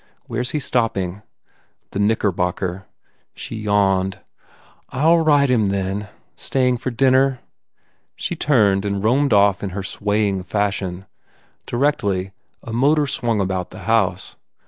Where s he stop ping?" "The Knickerbocker." She yawned, "I ll write him, then. Staying for dinner?" She turned and roamed off in her swaying fashion. Directly, a motor swung about the house.